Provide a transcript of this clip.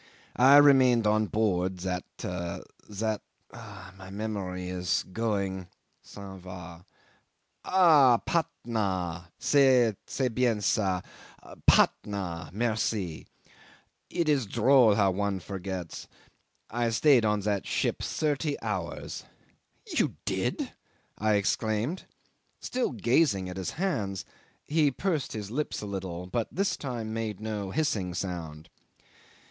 "I remained on board that that my memory is going (s'en va). Ah! Patt na. C'est bien ca. Patt na. Merci. It is droll how one forgets. I stayed on that ship thirty hours. ..." '"You did!" I exclaimed. Still gazing at his hands, he pursed his lips a little, but this time made no hissing sound.